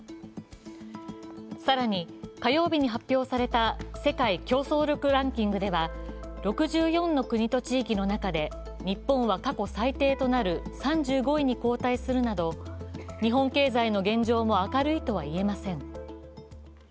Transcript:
更に火曜日に発表された世界競争力ランキングでは６４の国と地域の中で日本は過去最低となる３５位に後退するなど、日本経済の現状も明るいとはいえません。